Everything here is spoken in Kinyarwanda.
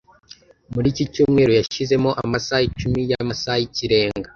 Muri iki cyumweru yashyizemo amasaha icumi y'amasaha y'ikirenga.